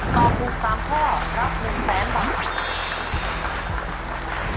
ตอบถูก๓ข้อรับ๑๐๐๐๐บาท